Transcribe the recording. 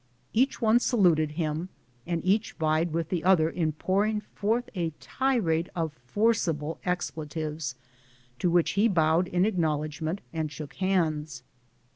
Each one saluted him, and each vied with the other in pouring forth a tirade of forcible expletives, to which he bowed in acknowledgment and shook hands.